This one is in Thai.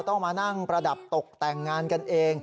ต้องมานั่งประดับตกแต่งงานกันเอง